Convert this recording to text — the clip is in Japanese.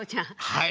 はい。